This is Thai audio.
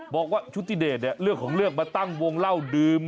บอกว่าชุตติเดทเลือกของเลือกมาตั้งวงเหล้าดื่ม